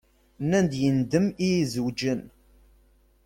Nan-d yendem i izewǧen.